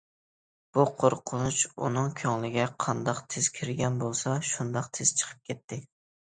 بۇ قورقۇنچ ئۇنىڭ كۆڭلىگە قانداق تېز كىرگەن بولسا شۇنداق تېز چىقىپ كەتتى.